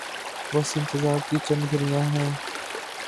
بس انتظار کی چند گھڑیاں ہیں۔